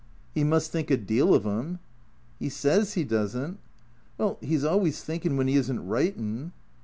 " He must think a deal of 'em." " He says he does n't." " Well — 'e 's always thinkin' when he is n't writin'."